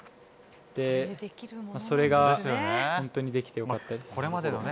それが本当にできて良かったです。